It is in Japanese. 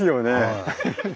はい。